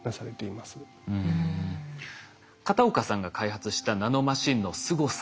片岡さんが開発したナノマシンのすごさ